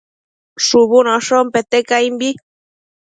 shubunoshon pete caimbi